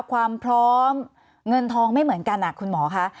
ความพร้อมเงินทองไม่เหมือนกันคุณหมอคะ